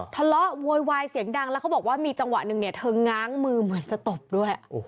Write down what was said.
โวยวายเสียงดังแล้วเขาบอกว่ามีจังหวะหนึ่งเนี่ยเธอง้างมือเหมือนจะตบด้วย